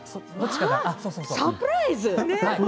サプライズ。